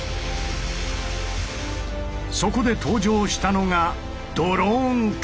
そこで登場したのがドローンカメラ。